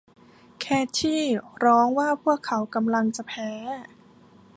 เคธี่ร้องว่าพวกเขากำลังจะแพ้